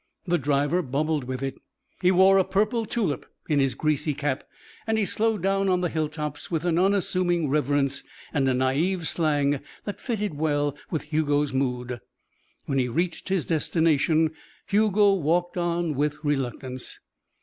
The driver bubbled with it he wore a purple tulip in his greasy cap and he slowed down on the hilltops with an unassuming reverence and a naïve slang that fitted well with Hugo's mood. When he reached his destination, Hugo walked on with reluctance.